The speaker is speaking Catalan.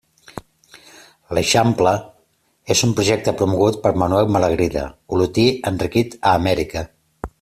L'eixample és un projecte promogut per Manuel Malagrida, olotí enriquit a Amèrica.